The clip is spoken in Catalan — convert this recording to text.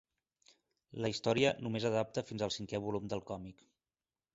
La història només adapta fins al cinquè volum del còmic.